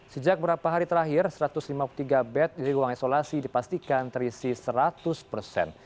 sejak beberapa hari terakhir satu ratus lima puluh tiga bed di ruang isolasi dipastikan terisi seratus persen